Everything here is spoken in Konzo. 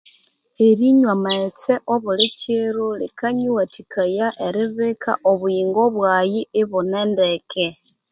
Erinywa amghetse obulikyiro likanyiwathikaya eribika obuyingo bwaghe ibune ndeke